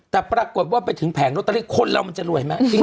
แต่ปรากฏว่าไปถึงแผงลอตเตอรี่คนเรามันจะรวยไหม